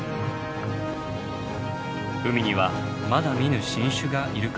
海にはまだ見ぬ新種がいるかもしれません。